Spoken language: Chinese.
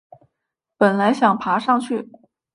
本来想爬上去